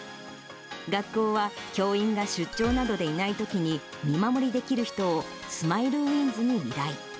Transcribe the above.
学校は、教員が出張などでいないときに、見守りできる人を、Ｓｍｉｌｅういんずに依頼。